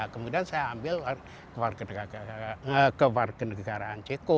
kemudian saya ambil ke warga negara ceko